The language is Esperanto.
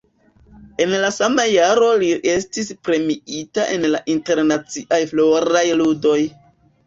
En la sama jaro li estis premiita en la Internaciaj Floraj Ludoj.